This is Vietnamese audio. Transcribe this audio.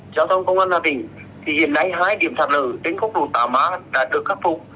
giao thông công an hà tĩnh thì hiện nay hai điểm sạt lở trên quốc lộ tám a đã được khắc phục